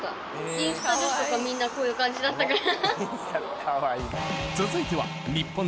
インスタ女子とかみんなこういう感じだったから。